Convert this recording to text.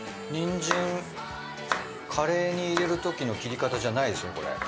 にんじんカレーに入れるときの切り方じゃないですねこれ。